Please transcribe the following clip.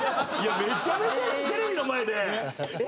めちゃめちゃテレビの前でえ！